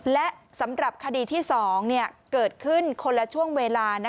และสำหรับคดีที่๒เกิดขึ้นคนละช่วงเวลา